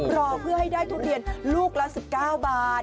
รอเพื่อให้ได้ทุเรียนลูกละ๑๙บาท